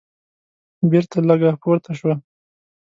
بېرته لږه پورته شوه.